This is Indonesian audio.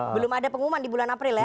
belum ada pengumuman di bulan april ya